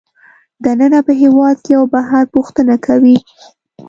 دننه په هېواد کې او بهر پوښتنه کوي